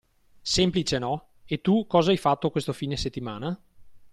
Semplice no? E tu cosa hai fatto questo fine settimana?